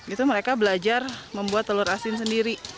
itu mereka belajar membuat telur asin sendiri